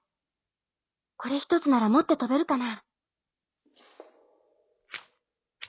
これ１つなら持って飛べるかな。